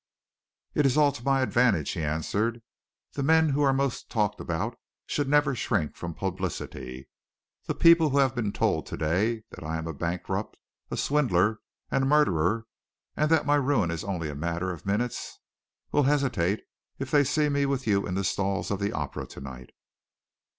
"It is all to my advantage," he answered. "The men who are most talked about should never shrink from publicity. The people who have been told to day that I am a bankrupt, a swindler, and a murderer, and that my ruin is only a matter of minutes, will hesitate if they see me with you in the stalls of the Opera to night."